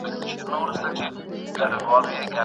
تاسو د خپلو ډیجیټل پټ نومونو لپاره د سمبولونو څخه کار واخلئ.